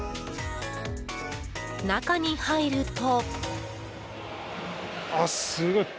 中に入ると。